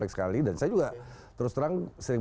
saya juga terus terang